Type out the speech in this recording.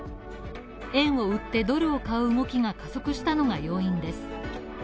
円を売って、ドルを買う動きが加速したのが要因です。